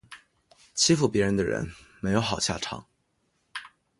欺负别人的人没有好下场